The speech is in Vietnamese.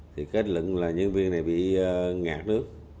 thì kết luận là nhân viên này bị ngạt nước